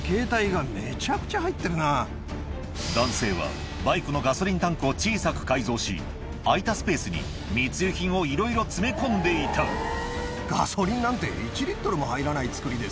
男性はバイクのガソリンタンクを小さく改造し空いたスペースに密輸品をいろいろ詰め込んでいたご丁寧に。